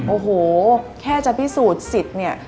โอ้โหแค่จะพิสูจน์สิทธิ์เนี่ย